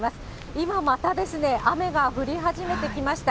今、またですね、雨が降り始めてきました。